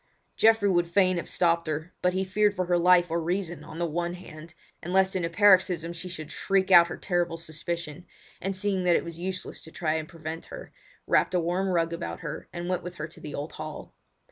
Geoffrey would fain have stopped her, but he feared for her life or reason on the one hand, and lest in a paroxysm she should shriek out her terrible suspicion, and seeing that it was useless to try to prevent her, wrapped a warm rug around her and went with her to the old hall.